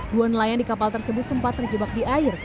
dua nelayan di kapal tersebut sempat terjebak di air